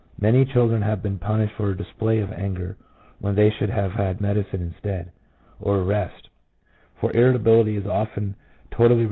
4 Many children have been punished for a display of anger when they should have had medicine instead, or a rest; for irritability is often totally the result of a 1 F.